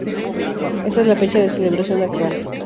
Esa es la fecha de celebración actual.